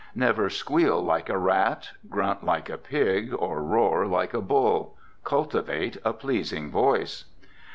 Never squeal like a rat, grunt like a pig, or roar like a bull. Cultivate a pleasing voice.